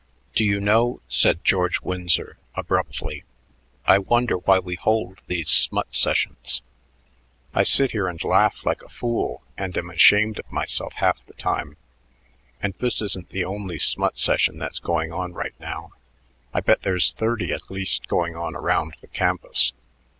"Do you know," said George Winsor abruptly, "I wonder why we hold these smut sessions. I sit here and laugh like a fool and am ashamed of myself half the time. And this isn't the only smut session that's going on right now. I bet there's thirty at least going on around the campus.